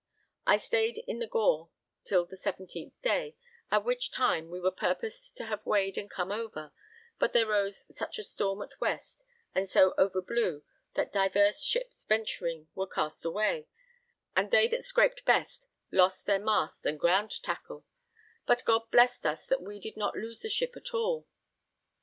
I stayed in the Gore till the 17th day, at which time we were purposed to have weighed and come over, but there rose such a storm at west, and so over blew, that divers ships venturing were cast away, and they that scaped best lost their masts and ground tackle, but God blessed us that we did not lose the ship at all.